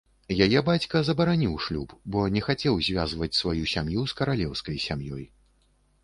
Яе бацька забараніў шлюб, бо не хацеў звязваць сваю сям'ю з каралеўскай сям'ёй.